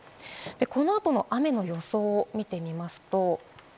この後の雨の予想を見てみます。